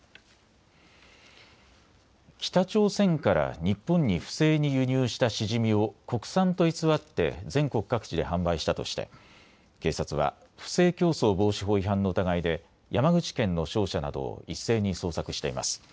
北朝鮮から日本に不正に輸入したシジミを国産と偽って全国各地で販売したとして警察は不正競争防止法違反の疑いで山口県の商社などを一斉に捜索しています。